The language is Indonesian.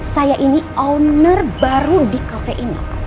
saya ini owner baru di kafe ini